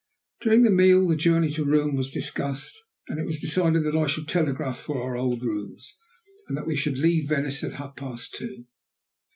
During the meal the journey to Rome was discussed, and it was decided that I should telegraph for our old rooms, and that we should leave Venice at half past two.